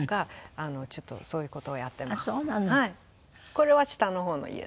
これは下の方の家で。